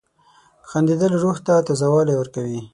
• خندېدل روح ته تازه والی ورکوي.